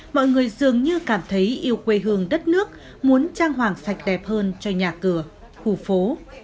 mọi người dường như cảm thấy yêu quê hương đất nước muốn trang hoàng sạch đẹp hơn cho nhà cửa khu phố